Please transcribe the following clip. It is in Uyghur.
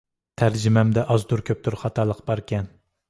تەرجىمەمدە ئازدۇر-كۆپتۇر خاتالىق باركەن.